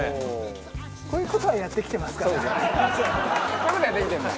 こういう事はやってきてんだ。